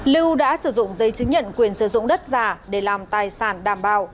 lưu đã sử dụng giấy chứng nhận quyền sử dụng đất giả để làm tài sản đảm bảo